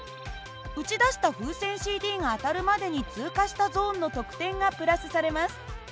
撃ち出した風船ＣＤが当たるまでに通過したゾーンの得点がプラスされます。